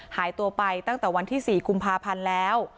หายตัวไปตั้งแต่วันที่๔กุมภาพันธ์แล้ว